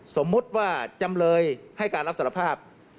สมมุติว่าจำเลยให้การรับสารภาพ